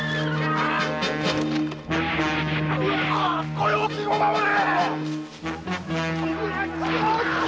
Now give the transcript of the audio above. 御用金を守れ！